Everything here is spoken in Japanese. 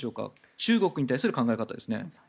中国に対する考え方ですね。